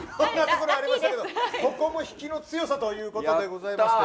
ここも引きの強さということでございます。